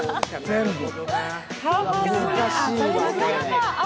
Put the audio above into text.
全部？